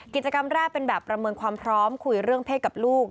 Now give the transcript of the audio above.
กิจกรรมแรกเป็นแบบประเมินความพร้อมคุยเรื่องเพศกับลูก